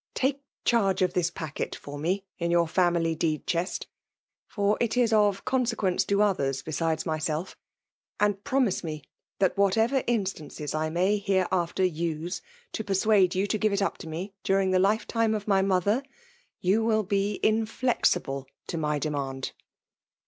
Take charge of this pacltet for m^'ia your fbmily deed chest, for it is of con* iteqtfeiife^ to others besides myself; and promise 61^ fllifct whatever instances I may herenfteff tt^ lo ]^scukde you to give it up to me during the lifetime of my mother, you will be inflex^ flSib to my demand."